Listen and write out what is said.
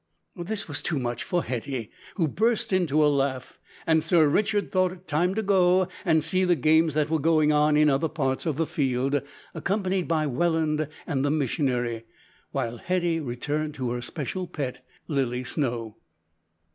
This was too much for Hetty, who burst into a laugh, and Sir Richard thought it time to go and see the games that were going on in other parts of the field, accompanied by Welland and the missionary, while Hetty returned to her special pet Lilly Snow.